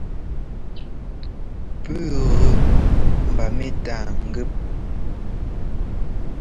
Pûu gʉ mba mɛ́tâa ŋgɛ́p.